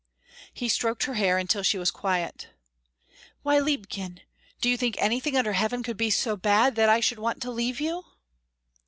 He stroked her hair until she was quiet. "Why, liebchen do you think anything under heaven could be so bad that I should want to leave you?"